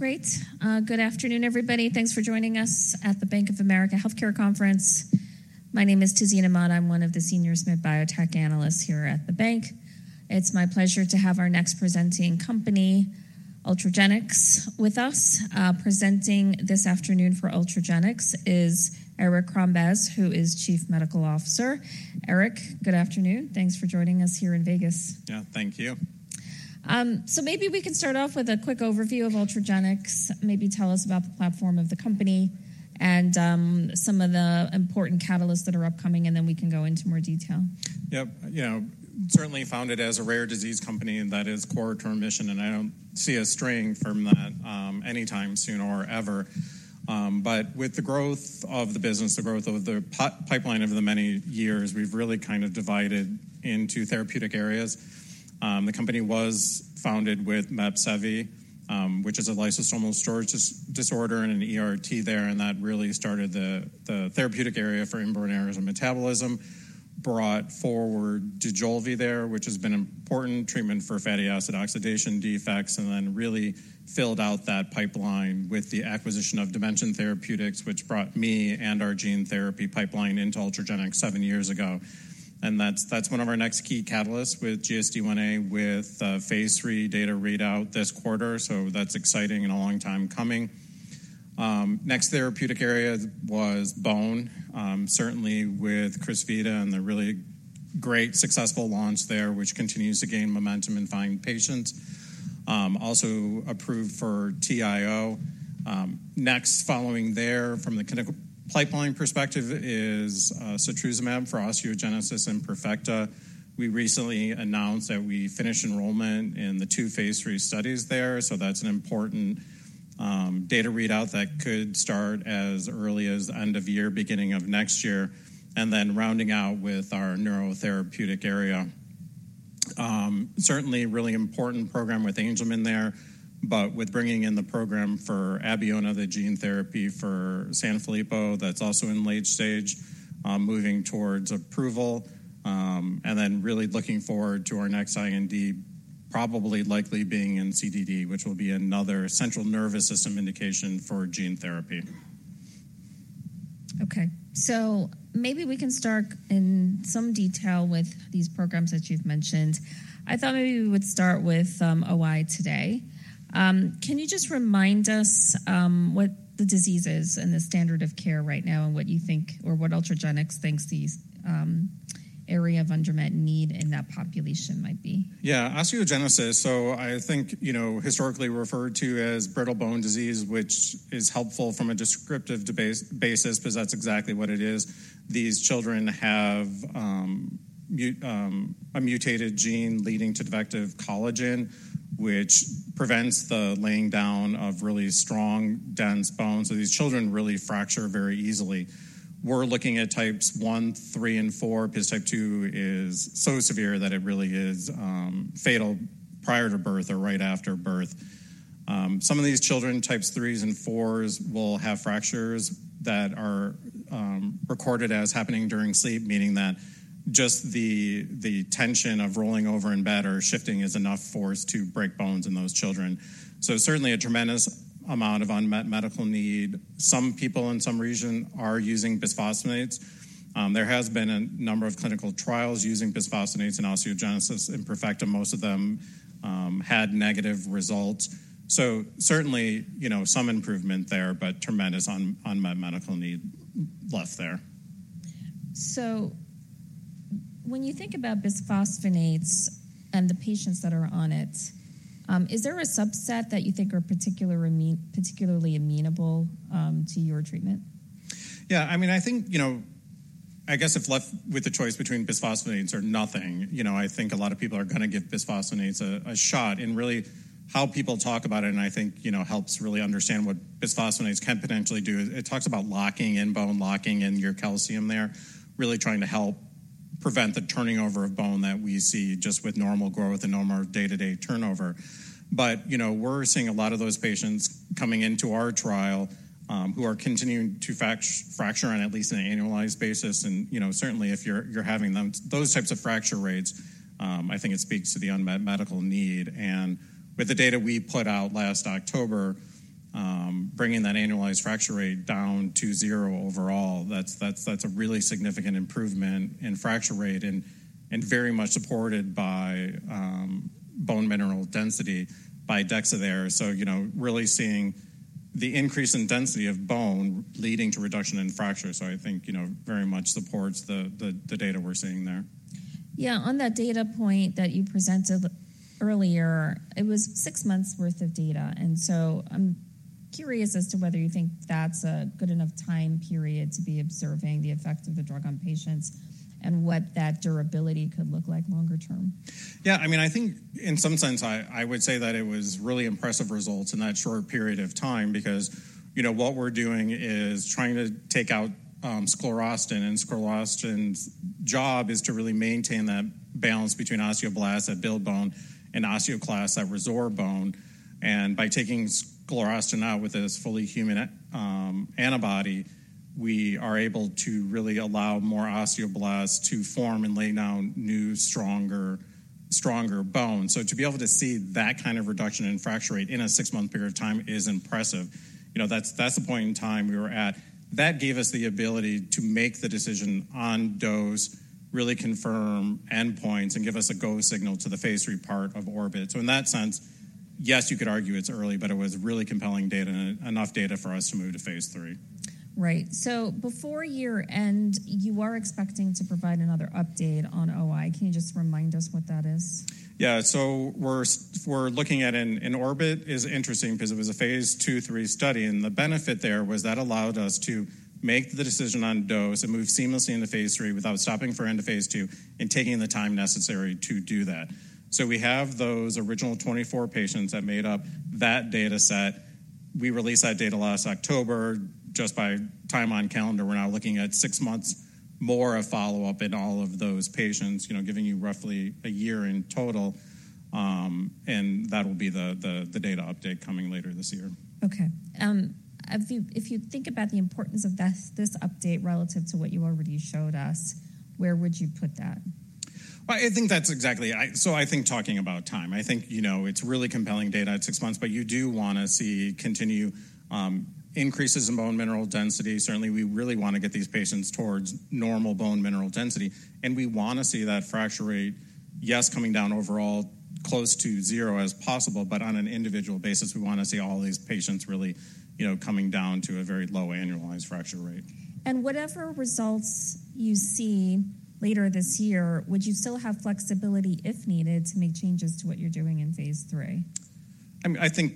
Great. Good afternoon, everybody. Thanks for joining us at the Bank of America Healthcare Conference. My name is Tazeen Ahmad. I'm one of the Senior SMID Biotech Analysts here at the bank. It's my pleasure to have our next presenting company, Ultragenyx, with us. Presenting this afternoon for Ultragenyx is Eric Crombez, who is Chief Medical Officer. Eric, good afternoon. Thanks for joining us here in Las Vegas. Yeah, thank you. So maybe we can start off with a quick overview of Ultragenyx. Maybe tell us about the platform of the company and some of the important catalysts that are upcoming, and then we can go into more detail. Yep. Certainly founded as a rare disease company, and that is core to our mission. I don't see a straying from that anytime sooner or ever. But with the growth of the business, the growth of the pipeline over the many years, we've really kind of divided into therapeutic areas. The company was founded with Mepsevii, which is a lysosomal storage disorder and an ERT there. That really started the therapeutic area for inborn errors of metabolism, brought forward Dojolvi there, which has been an important treatment for fatty acid oxidation defects, and then really filled out that pipeline with the acquisition of Dimension Therapeutics, which brought me and our gene therapy pipeline into Ultragenyx 7 years ago. That's one of our next key catalysts with GSDIa with phase III data readout this quarter. So that's exciting and a long time coming. Next therapeutic area was bone, certainly with Crysvita and the really great successful launch there, which continues to gain momentum and find patients. Also approved for TIO. Next following there from the pipeline perspective is setrusumab for osteogenesis imperfecta. We recently announced that we finished enrollment in the two phase III studies there. So that's an important data readout that could start as early as the end of year, beginning of next year, and then rounding out with our neurotherapeutic area. Certainly really important program with Angelman there, but with bringing in the program for Abeona, the gene therapy for Sanfilippo that's also in late stage, moving towards approval, and then really looking forward to our next IND probably likely being in CDD, which will be another central nervous system indication for gene therapy. Okay. So maybe we can start in some detail with these programs that you've mentioned. I thought maybe we would start with OI today. Can you just remind us what the disease is and the standard of care right now and what you think or what Ultragenyx thinks the area of unmet need in that population might be? Yeah. Osteogenesis. So I think historically referred to as brittle bone disease, which is helpful from a descriptive basis because that's exactly what it is. These children have a mutated gene leading to defective collagen, which prevents the laying down of really strong, dense bone. So these children really fracture very easily. We're looking at types one, three, and four because type two is so severe that it really is fatal prior to birth or right after birth. Some of these children, types threes and fours, will have fractures that are recorded as happening during sleep, meaning that just the tension of rolling over in bed or shifting is enough force to break bones in those children. So certainly a tremendous amount of unmet medical need. Some people in some region are using bisphosphonates. There has been a number of clinical trials using bisphosphonates in osteogenesis imperfecta. Most of them had negative results. So certainly some improvement there, but tremendous unmet medical need left there. When you think about bisphosphonates and the patients that are on it, is there a subset that you think are particularly amenable to your treatment? Yeah. I mean, I think I guess if left with the choice between bisphosphonates or nothing, I think a lot of people are going to give bisphosphonates a shot. And really how people talk about it, and I think helps really understand what bisphosphonates can potentially do, it talks about locking in bone, locking in your calcium there, really trying to help prevent the turning over of bone that we see just with normal growth and no more day-to-day turnover. But we're seeing a lot of those patients coming into our trial who are continuing to fracture on at least an annualized basis. And certainly if you're having those types of fracture rates, I think it speaks to the unmet medical need. With the data we put out last October, bringing that annualized fracture rate down to zero overall, that's a really significant improvement in fracture rate and very much supported by bone mineral density by DEXA there. So really seeing the increase in density of bone leading to reduction in fracture. So I think very much supports the data we're seeing there. Yeah. On that data point that you presented earlier, it was six months' worth of data. And so I'm curious as to whether you think that's a good enough time period to be observing the effect of the drug on patients and what that durability could look like longer term? Yeah. I mean, I think in some sense, I would say that it was really impressive results in that short period of time because what we're doing is trying to take out sclerostin. And sclerostin's job is to really maintain that balance between osteoblasts that build bone and osteoclasts that resorb bone. And by taking sclerostin out with this fully human antibody, we are able to really allow more osteoblasts to form and lay down new, stronger bone. So to be able to see that kind of reduction in fracture rate in a 6-month period of time is impressive. That's the point in time we were at. That gave us the ability to make the decision on dose, really confirm endpoints, and give us a go signal to the phase III part of Orbit. In that sense, yes, you could argue it's early, but it was really compelling data, enough data for us to move to phase III. Right. So before year-end, you are expecting to provide another update on OI. Can you just remind us what that is? Yeah. So what we're looking at in Orbit is interesting because it was a phase II, III study. The benefit there was that allowed us to make the decision on dose and move seamlessly into phase III without stopping for end of phase II and taking the time necessary to do that. So we have those original 24 patients that made up that data set. We released that data last October. Just by time on calendar, we're now looking at 6 months more of follow-up in all of those patients, giving you roughly a year in total. That will be the data update coming later this year. Okay. If you think about the importance of this update relative to what you already showed us, where would you put that? Well, I think that's exactly so. I think talking about time. I think it's really compelling data. It's 6 months. But you do want to see continue increases in bone mineral density. Certainly, we really want to get these patients towards normal bone mineral density. And we want to see that fracture rate, yes, coming down overall close to zero as possible, but on an individual basis, we want to see all these patients really coming down to a very low annualized fracture rate. Whatever results you see later this year, would you still have flexibility if needed to make changes to what you're doing in phase III? I mean, I think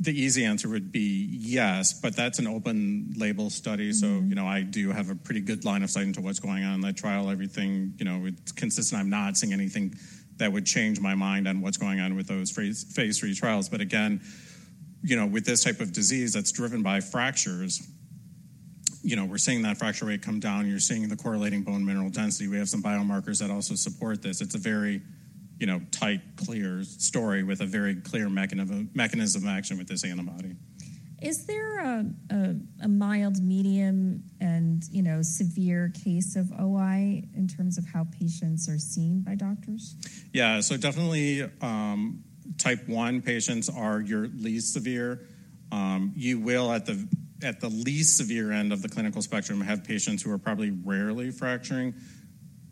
the easy answer would be yes, but that's an open-label study. So I do have a pretty good line of sight into what's going on in that trial. Everything is consistent. I'm not seeing anything that would change my mind on what's going on with those phase III trials. But again, with this type of disease that's driven by fractures, we're seeing that fracture rate come down. You're seeing the correlating bone mineral density. We have some biomarkers that also support this. It's a very tight, clear story with a very clear mechanism of action with this antibody. Is there a mild, medium, and severe case of OI in terms of how patients are seen by doctors? Yeah. So definitely type one patients are your least severe. You will, at the least severe end of the clinical spectrum, have patients who are probably rarely fracturing.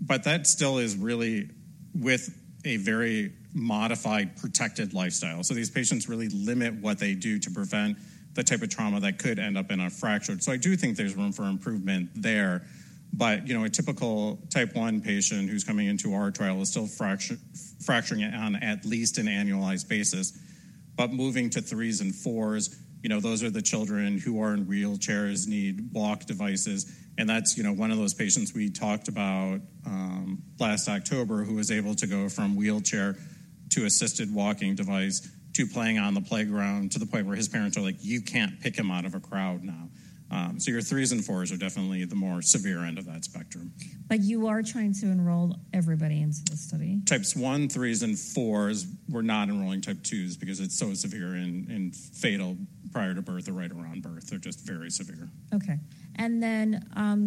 But that still is really with a very modified, protected lifestyle. So these patients really limit what they do to prevent the type of trauma that could end up in a fracture. So I do think there's room for improvement there. But a typical type one patient who's coming into our trial is still fracturing on at least an annualized basis. But moving to threes and fours, those are the children who are in wheelchairs, need walk devices. And that's one of those patients we talked about last October who was able to go from wheelchair to assisted walking device to playing on the playground to the point where his parents are like, "You can't pick him out of a crowd now." So your threes and fours, definitely the more severe end of that spectrum. But you are trying to enroll everybody into the study? Types 1, 3s, and 4s, we're not enrolling type 2s because it's so severe and fatal prior to birth or right around birth. They're just very severe. Okay. And then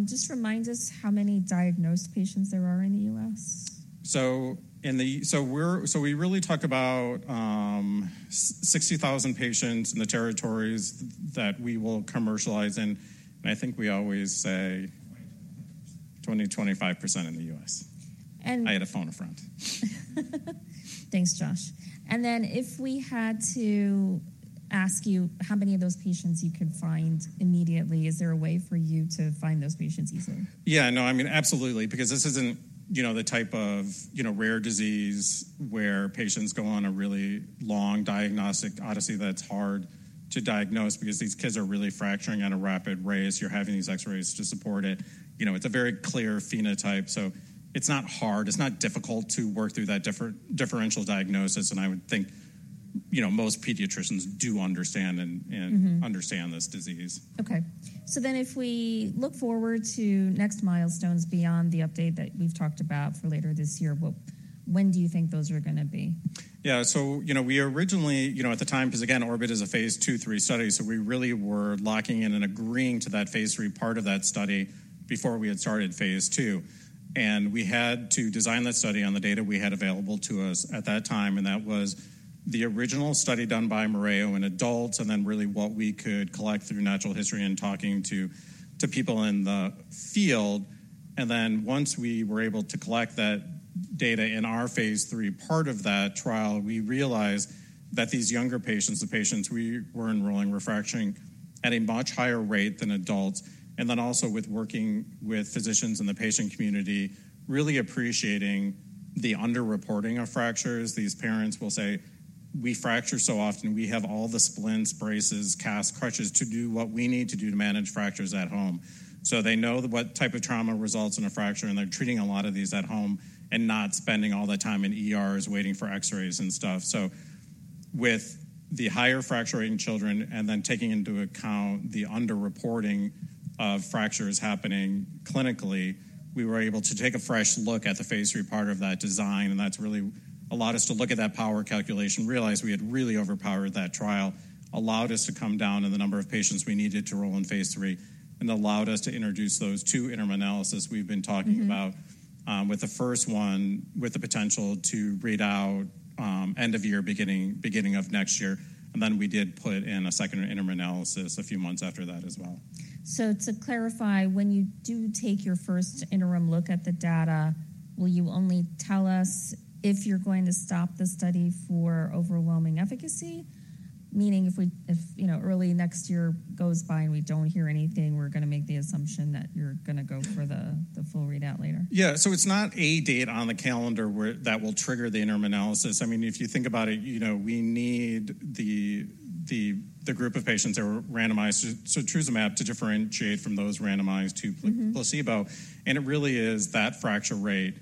just remind us how many diagnosed patients there are in the U.S.? We really talk about 60,000 patients in the territories that we will commercialize in. I think we always say 20%-25% in the US. I had a phone up front. Thanks, Josh. And then if we had to ask you how many of those patients you could find immediately, is there a way for you to find those patients easily? Yeah. No. I mean, absolutely. Because this isn't the type of rare disease where patients go on a really long diagnostic odyssey that's hard to diagnose because these kids are really fracturing at a rapid rate. You're having these X-rays to support it. It's a very clear phenotype. So it's not hard. It's not difficult to work through that differential diagnosis. And I would think most pediatricians do understand this disease. Okay. So then if we look forward to next milestones beyond the update that we've talked about for later this year, when do you think those are going to be? Yeah. So we originally at the time because, again, Orbit is a phase II, III study. So we really were locking in and agreeing to that phase III part of that study before we had started phase II. And we had to design that study on the data we had available to us at that time. And that was the original study done by Mereo in adults and then really what we could collect through natural history and talking to people in the field. And then once we were able to collect that data in our phase III part of that trial, we realized that these younger patients, the patients we were enrolling, were fracturing at a much higher rate than adults. And then also with working with physicians in the patient community, really appreciating the underreporting of fractures, these parents will say, "We fracture so often. We have all the splints, braces, casts, crutches to do what we need to do to manage fractures at home." So they know what type of trauma results in a fracture. And they're treating a lot of these at home and not spending all that time in ERs waiting for X-rays and stuff. So with the higher fracturing children and then taking into account the underreporting of fractures happening clinically, we were able to take a fresh look at the phase III part of that design. That's really allowed us to look at that power calculation, realize we had really overpowered that trial, allowed us to come down in the number of patients we needed to enroll in phase III, and allowed us to introduce those 2 interim analyses we've been talking about with the first one with the potential to read out end of year, beginning of next year. Then we did put in a second interim analysis a few months after that as well. To clarify, when you do take your first interim look at the data, will you only tell us if you're going to stop the study for overwhelming efficacy, meaning if early next year goes by and we don't hear anything, we're going to make the assumption that you're going to go for the full readout later? Yeah. So it's not a date on the calendar that will trigger the interim analysis. I mean, if you think about it, we need the group of patients that were randomized, so setrusumab, to differentiate from those randomized to placebo. And it really is that fracture rate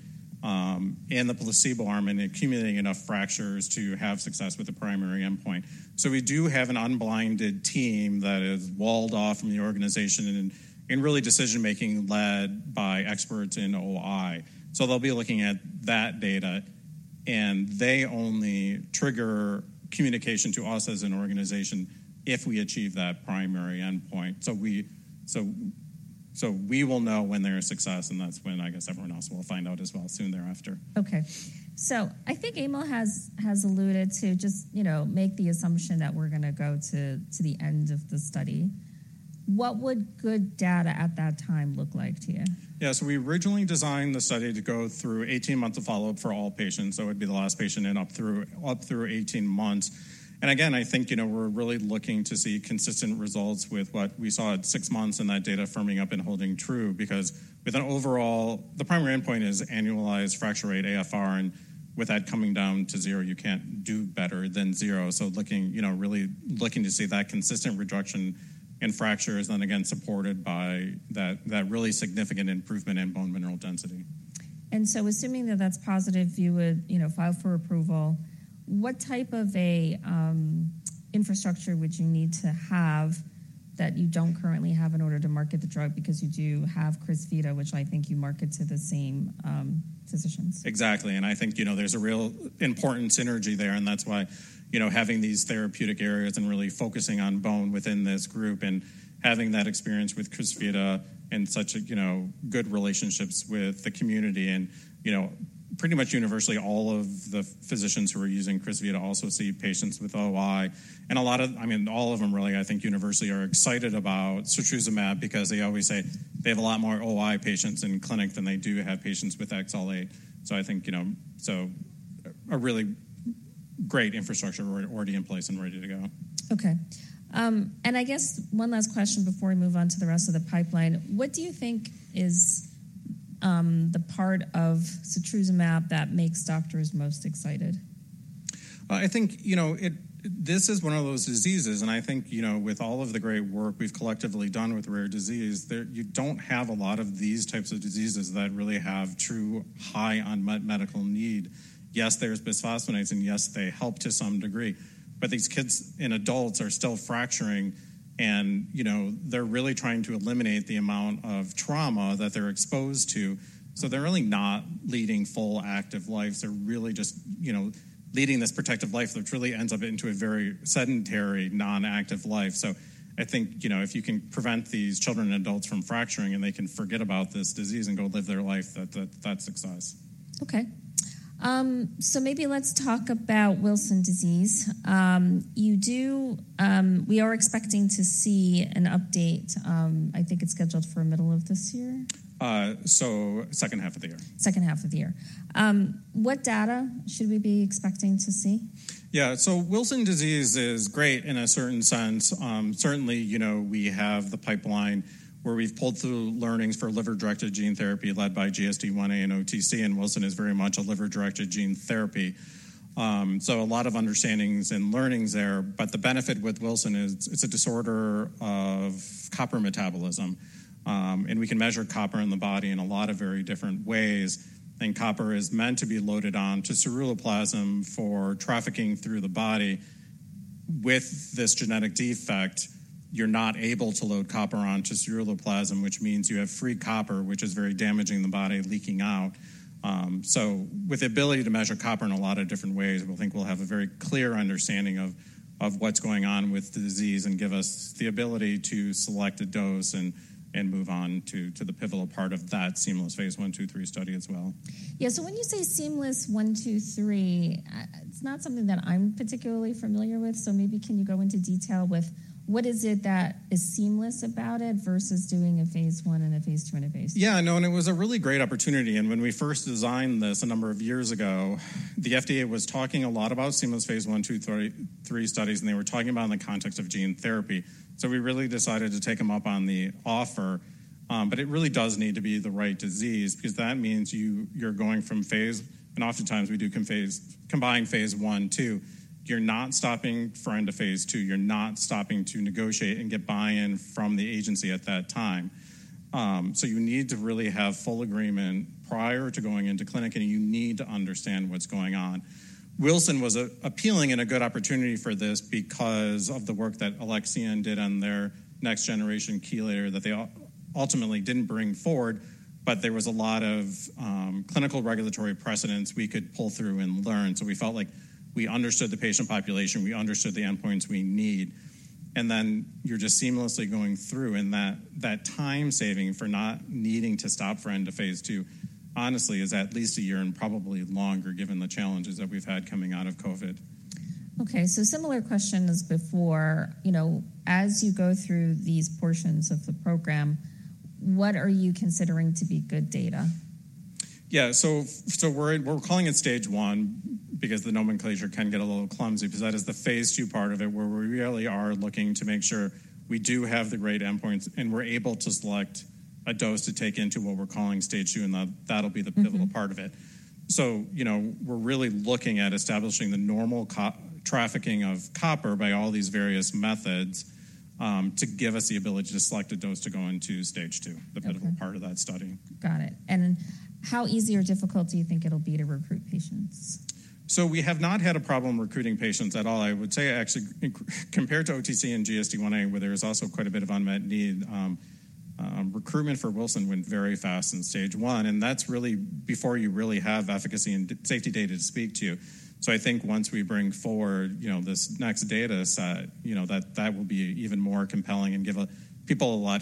and the placebo arm and accumulating enough fractures to have success with the primary endpoint. So we do have an unblinded team that is walled off from the organization and really decision-making led by experts in OI. So they'll be looking at that data. And they only trigger communication to us as an organization if we achieve that primary endpoint. So we will know when there is success. And that's when, I guess, everyone else will find out as well soon thereafter. Okay. So I think Emil has alluded to just make the assumption that we're going to go to the end of the study. What would good data at that time look like to you? Yeah. So we originally designed the study to go through 18 months of follow-up for all patients. So it would be the last patient in up through 18 months. And again, I think we're really looking to see consistent results with what we saw at six months in that data firming up and holding true because with an overall the primary endpoint is annualized fracture rate, AFR. And with that coming down to zero, you can't do better than zero. So really looking to see that consistent reduction in fractures then, again, supported by that really significant improvement in bone mineral density. Assuming that that's positive, you would file for approval. What type of infrastructure would you need to have that you don't currently have in order to market the drug because you do have Crysvita, which I think you market to the same physicians? Exactly. And I think there's a real important synergy there. And that's why having these therapeutic areas and really focusing on bone within this group and having that experience with Crysvita and such good relationships with the community. And pretty much universally, all of the physicians who are using Crysvita also see patients with OI. And a lot of I mean, all of them really, I think, universally are excited about setrusumab because they always say they have a lot more OI patients in clinic than they do have patients with XLH. So I think so a really great infrastructure already in place and ready to go. Okay. I guess one last question before we move on to the rest of the pipeline. What do you think is the part of setrusumab that makes doctors most excited? I think this is one of those diseases. I think with all of the great work we've collectively done with rare disease, you don't have a lot of these types of diseases that really have true high unmet medical need. Yes, there's bisphosphonates. Yes, they help to some degree. These kids and adults are still fracturing. They're really trying to eliminate the amount of trauma that they're exposed to. They're really not leading full active lives. They're really just leading this protective life. It really ends up into a very sedentary, non-active life. I think if you can prevent these children and adults from fracturing and they can forget about this disease and go live their life, that's success. Okay. So maybe let's talk about Wilson disease. We are expecting to see an update. I think it's scheduled for middle of this year. Second half of the year. Second half of the year. What data should we be expecting to see? Yeah. So Wilson disease is great in a certain sense. Certainly, we have the pipeline where we've pulled through learnings for liver-directed gene therapy led by GSDIa and OTC. And Wilson is very much a liver-directed gene therapy. So a lot of understandings and learnings there. But the benefit with Wilson is it's a disorder of copper metabolism. And we can measure copper in the body in a lot of very different ways. And copper is meant to be loaded onto ceruloplasmin for trafficking through the body. With this genetic defect, you're not able to load copper onto ceruloplasmin, which means you have free copper, which is very damaging the body, leaking out. So with the ability to measure copper in a lot of different ways, we'll think we'll have a very clear understanding of what's going on with the disease and give us the ability to select a dose and move on to the pivotal part of that seamless phase I, II, III study as well. Yeah. So when you say seamless phase I, II, III, it's not something that I'm particularly familiar with. So maybe can you go into detail with what is it that is seamless about it versus doing a phase I and a phase II and a phase III? Yeah. No. And it was a really great opportunity. And when we first designed this a number of years ago, the FDA was talking a lot about seamless phase I, II, III studies. And they were talking about it in the context of gene therapy. So we really decided to take them up on the offer. But it really does need to be the right disease because that means you're going from phase and oftentimes, we do combine phase I, II. You're not stopping for into phase II. You're not stopping to negotiate and get buy-in from the agency at that time. So you need to really have full agreement prior to going into clinic. And you need to understand what's going on. Wilson was appealing and a good opportunity for this because of the work that Alexion did on their next-generation chelator that they ultimately didn't bring forward. But there was a lot of clinical regulatory precedents we could pull through and learn. So we felt like we understood the patient population. We understood the endpoints we need. And then you're just seamlessly going through. And that time saving for not needing to stop for into phase II, honestly, is at least a year and probably longer given the challenges that we've had coming out of COVID. Okay. So similar question as before. As you go through these portions of the program, what are you considering to be good data? Yeah. So we're calling it stage 1 because the nomenclature can get a little clumsy because that is the phase II part of it where we really are looking to make sure we do have the great endpoints and we're able to select a dose to take into what we're calling stage 2. And that'll be the pivotal part of it. So we're really looking at establishing the normal trafficking of copper by all these various methods to give us the ability to select a dose to go into stage 2, the pivotal part of that study. Got it. How easy or difficult do you think it'll be to recruit patients? So we have not had a problem recruiting patients at all, I would say, actually, compared to OTC and GSDIa where there is also quite a bit of unmet need. Recruitment for Wilson went very fast in stage 1. And that's really before you really have efficacy and safety data to speak to. So I think once we bring forward this next data set, that will be even more compelling and give people a lot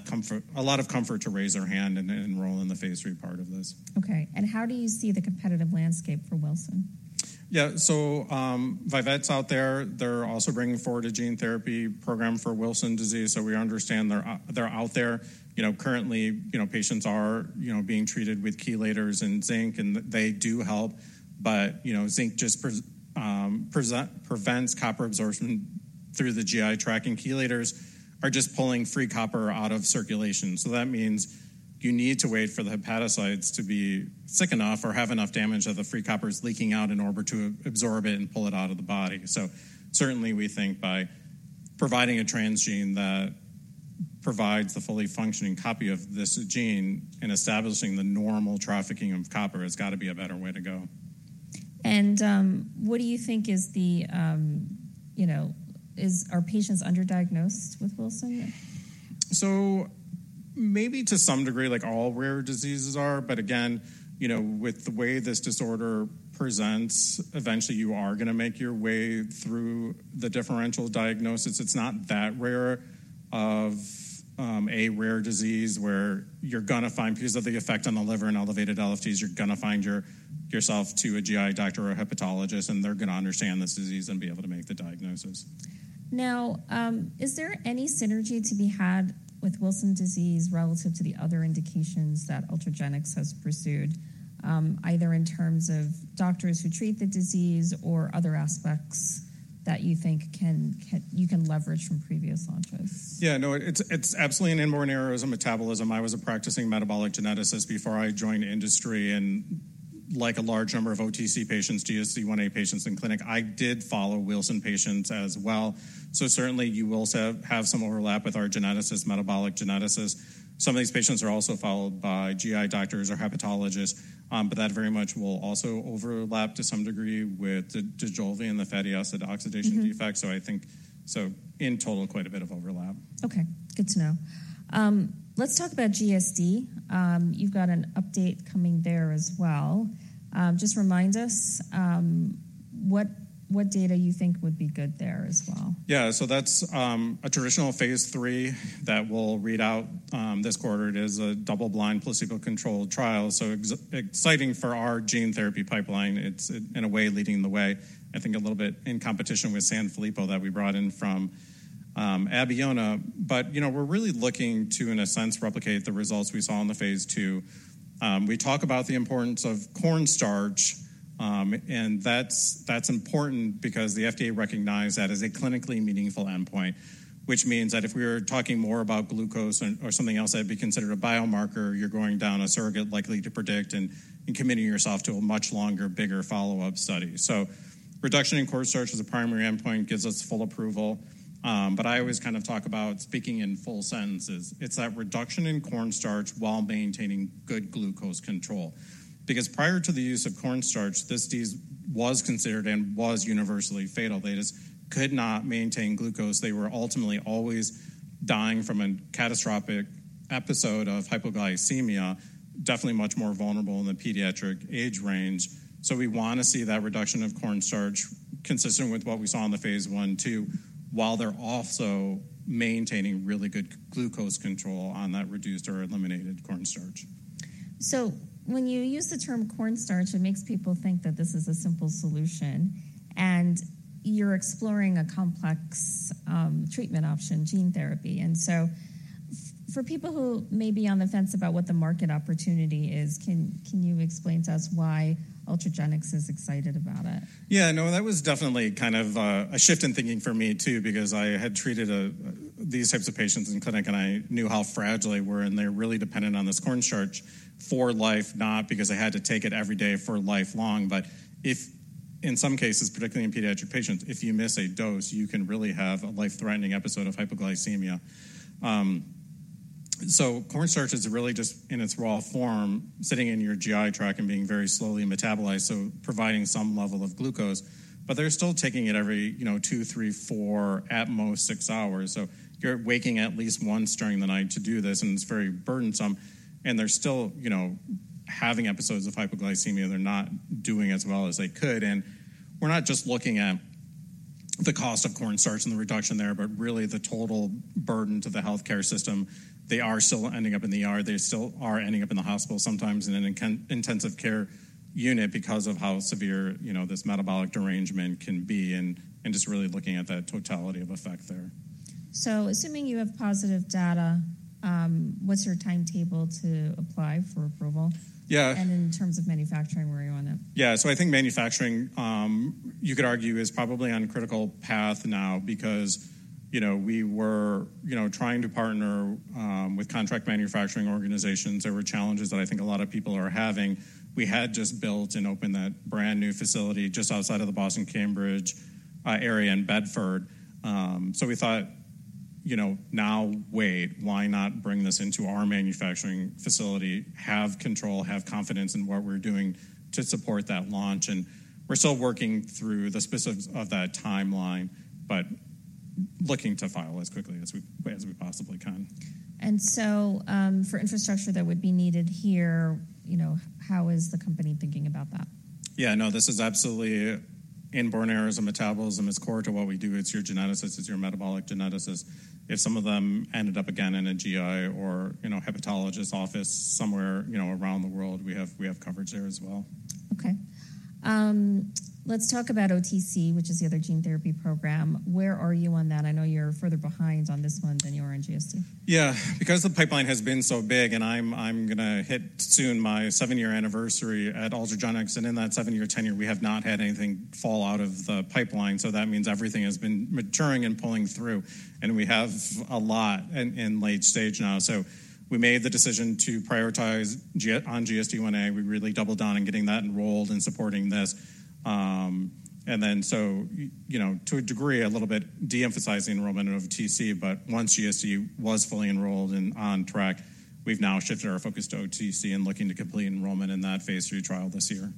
of comfort to raise their hand and enroll in the phase III part of this. Okay. How do you see the competitive landscape for Wilson? Yeah. So Vivet's out there. They're also bringing forward a gene therapy program for Wilson disease. So we understand they're out there. Currently, patients are being treated with chelators and zinc. And they do help. But zinc just prevents copper absorption through the GI tract. And chelators are just pulling free copper out of circulation. So that means you need to wait for the hepatocytes to be sick enough or have enough damage that the free copper is leaking out in order to absorb it and pull it out of the body. So certainly, we think by providing a transgene that provides the fully functioning copy of this gene and establishing the normal trafficking of copper, it's got to be a better way to go. What do you think, are patients underdiagnosed with Wilson? So maybe to some degree, like all rare diseases are. But again, with the way this disorder presents, eventually, you are going to make your way through the differential diagnosis. It's not that rare of a rare disease where you're going to find pieces of the effect on the liver and elevated LFTs. You're going to find yourself to a GI doctor or a hepatologist. And they're going to understand this disease and be able to make the diagnosis. Now, is there any synergy to be had with Wilson disease relative to the other indications that Ultragenyx has pursued, either in terms of doctors who treat the disease or other aspects that you think you can leverage from previous launches? Yeah. No. It's absolutely an inborn error of metabolism. I was a practicing metabolic geneticist before I joined industry. And like a large number of OTC patients, GSDIa patients in clinic, I did follow Wilson patients as well. So certainly, you will have some overlap with our geneticists, metabolic geneticists. Some of these patients are also followed by GI doctors or hepatologists. But that very much will also overlap to some degree with the Dojolvi and the fatty acid oxidation defect. So in total, quite a bit of overlap. Okay. Good to know. Let's talk about GSD. You've got an update coming there as well. Just remind us what data you think would be good there as well. Yeah. So that's a traditional phase III that we'll read out this quarter. It is a double-blind placebo-controlled trial. So exciting for our gene therapy pipeline. It's, in a way, leading the way, I think, a little bit in competition with Sanfilippo syndrome that we brought in from Abeona. But we're really looking to, in a sense, replicate the results we saw in the phase II. We talk about the importance of cornstarch. And that's important because the FDA recognized that as a clinically meaningful endpoint, which means that if we were talking more about glucose or something else that'd be considered a biomarker, you're going down a surrogate likely to predict and committing yourself to a much longer, bigger follow-up study. So reduction in cornstarch as a primary endpoint gives us full approval. But I always kind of talk about speaking in full sentences. It's that reduction in cornstarch while maintaining good glucose control. Because prior to the use of cornstarch, this disease was considered and was universally fatal. They just could not maintain glucose. They were ultimately always dying from a catastrophic episode of hypoglycemia, definitely much more vulnerable in the pediatric age range. So we want to see that reduction of cornstarch consistent with what we saw in the phase I, II, while they're also maintaining really good glucose control on that reduced or eliminated cornstarch. So when you use the term cornstarch, it makes people think that this is a simple solution. And you're exploring a complex treatment option, gene therapy. And so for people who may be on the fence about what the market opportunity is, can you explain to us why Ultragenyx is excited about it? Yeah. No. That was definitely kind of a shift in thinking for me too because I had treated these types of patients in clinic. And I knew how fragile they were. And they're really dependent on this cornstarch for life, not because they had to take it every day for lifelong. But in some cases, particularly in pediatric patients, if you miss a dose, you can really have a life-threatening episode of hypoglycemia. So cornstarch is really just, in its raw form, sitting in your GI tract and being very slowly metabolized, so providing some level of glucose. But they're still taking it every 2, 3, 4, at most, 6 hours. So you're waking at least once during the night to do this. And it's very burdensome. And they're still having episodes of hypoglycemia. They're not doing as well as they could. We're not just looking at the cost of cornstarch and the reduction there, but really the total burden to the healthcare system. They still are ending up in the hospital sometimes in an intensive care unit because of how severe this metabolic derangement can be and just really looking at that totality of effect there. So assuming you have positive data, what's your timetable to apply for approval? And in terms of manufacturing, where are you on it? Yeah. So I think manufacturing, you could argue, is probably on a critical path now because we were trying to partner with contract manufacturing organizations. There were challenges that I think a lot of people are having. We had just built and opened that brand new facility just outside of the Boston-Cambridge area in Bedford. So we thought, "Now, wait. Why not bring this into our manufacturing facility, have control, have confidence in what we're doing to support that launch?" We're still working through the specifics of that timeline but looking to file as quickly as we possibly can. For infrastructure that would be needed here, how is the company thinking about that? Yeah. No. This is absolutely inborn errors of metabolism. It's core to what we do. It's your geneticist. It's your metabolic geneticist. If some of them ended up again in a GI or hepatologist's office somewhere around the world, we have coverage there as well. Okay. Let's talk about OTC, which is the other gene therapy program. Where are you on that? I know you're further behind on this one than you are in GSD. Yeah. Because the pipeline has been so big and I'm going to hit soon my 7-year anniversary at Ultragenyx. And in that 7-year tenure, we have not had anything fall out of the pipeline. So that means everything has been maturing and pulling through. And we have a lot in late stage now. So we made the decision to prioritize on GSDIa. We really doubled down on getting that enrolled and supporting this. And then so, to a degree, a little bit de-emphasizing enrollment of OTC. But once GSD was fully enrolled and on track, we've now shifted our focus to OTC and looking to complete enrollment in that phase III trial this year.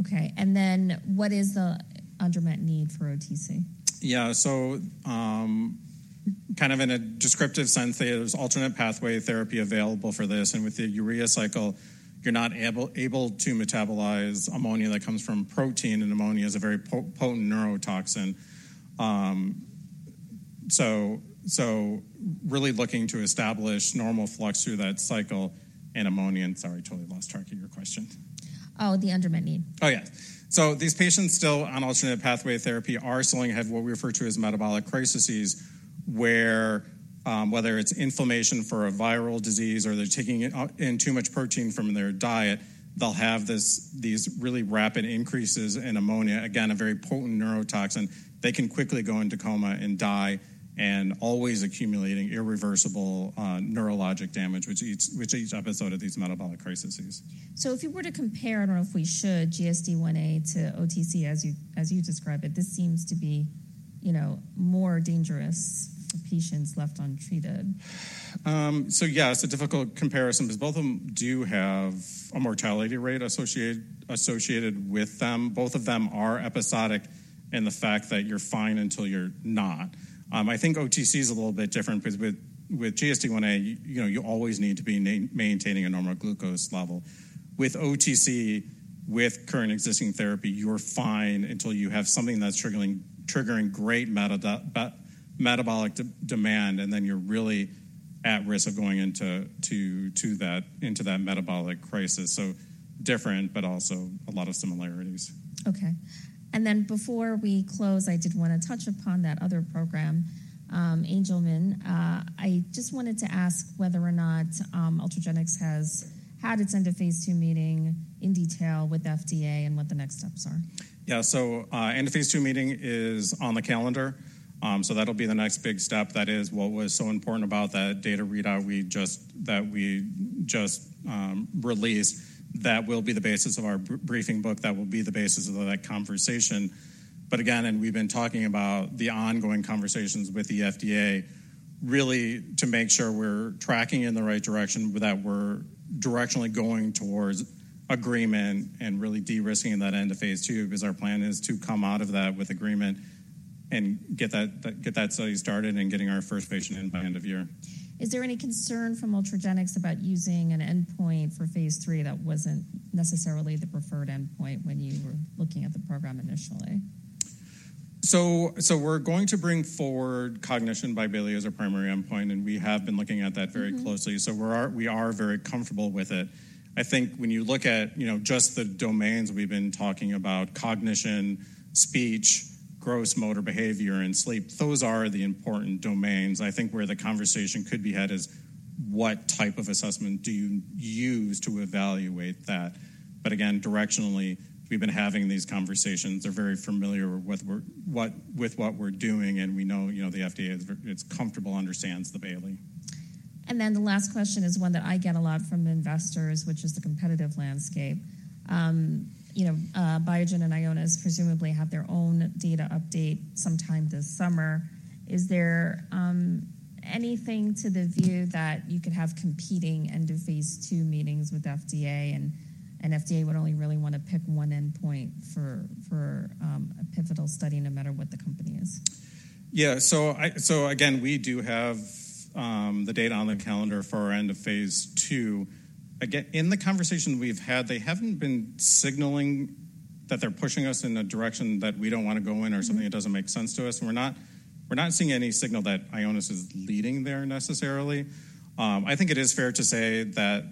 Okay. And then what is the unmet need for OTC? Yeah. So kind of in a descriptive sense, there's alternate pathway therapy available for this. And with the urea cycle, you're not able to metabolize ammonia that comes from protein. And ammonia is a very potent neurotoxin. So really looking to establish normal flux through that cycle and ammonia and sorry, totally lost track of your question. Oh, the unmet need. Oh, yeah. So these patients still on alternate pathway therapy are still going to have what we refer to as metabolic crises where, whether it's inflammation for a viral disease or they're taking in too much protein from their diet, they'll have these really rapid increases in ammonia, again, a very potent neurotoxin. They can quickly go into coma and die and always accumulating irreversible neurologic damage, which each episode of these metabolic crises is. So if you were to compare, I don't know if we should, GSDIa to OTC as you describe it, this seems to be more dangerous for patients left untreated. So yeah. It's a difficult comparison because both of them do have a mortality rate associated with them. Both of them are episodic in the fact that you're fine until you're not. I think OTC is a little bit different. With GSDIa, you always need to be maintaining a normal glucose level. With OTC, with current existing therapy, you're fine until you have something that's triggering great metabolic demand. And then you're really at risk of going into that metabolic crisis. So different but also a lot of similarities. Okay. Then before we close, I did want to touch upon that other program, Angelman. I just wanted to ask whether or not Ultragenyx has had its end-of-phase II meeting in detail with the FDA and what the next steps are? Yeah. So end-of-phase II meeting is on the calendar. So that'll be the next big step. That is what was so important about that data readout that we just released. That will be the basis of our briefing book. That will be the basis of that conversation. But again, we've been talking about the ongoing conversations with the FDA, really to make sure we're tracking in the right direction, that we're directionally going towards agreement and really de-risking that end-of-phase II because our plan is to come out of that with agreement and get that study started and getting our first patient in by end of year. Is there any concern from Ultragenyx about using an endpoint for phase III that wasn't necessarily the preferred endpoint when you were looking at the program initially? So we're going to bring forward cognition by Bayley as a primary endpoint. And we have been looking at that very closely. So we are very comfortable with it. I think when you look at just the domains we've been talking about, cognition, speech, gross motor behavior, and sleep, those are the important domains. I think where the conversation could be had is, "What type of assessment do you use to evaluate that?" But again, directionally, we've been having these conversations. They're very familiar with what we're doing. And we know the FDA is comfortable and understands the Bayley. And then the last question is one that I get a lot from investors, which is the competitive landscape. Biogen and Ionis presumably have their own data update sometime this summer. Is there anything to the view that you could have competing end-of-phase II meetings with the FDA? And FDA would only really want to pick one endpoint for a pivotal study no matter what the company is. Yeah. So again, we do have the data on the calendar for our end-of-phase II. Again, in the conversation we've had, they haven't been signaling that they're pushing us in a direction that we don't want to go in or something that doesn't make sense to us. And we're not seeing any signal that Ionis is leading there necessarily. I think it is fair to say that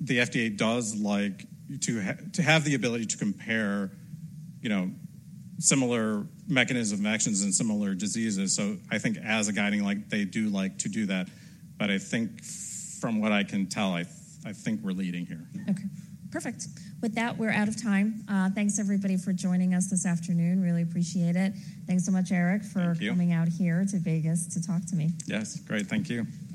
the FDA does like to have the ability to compare similar mechanisms of actions in similar diseases. So I think as a guiding, they do like to do that. But I think from what I can tell, I think we're leading here. Okay. Perfect. With that, we're out of time. Thanks, everybody, for joining us this afternoon. Really appreciate it. Thanks so much, Eric, for coming out here to Vegas to talk to me. Yes. Great. Thank you.